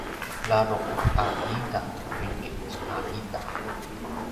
ladruq a ita drikitj a ita